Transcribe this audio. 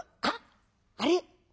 あっあれ？